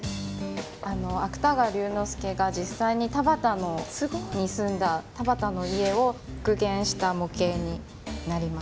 あの芥川龍之介が実際に田端に住んだ田端の家を復元した模型になります。